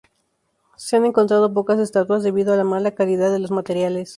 Se han encontrado pocas estatuas, debido a la mala calidad de los materiales.